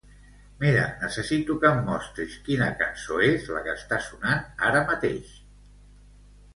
Mira, necessito que em mostris quina cançó és la que està sonant ara mateix.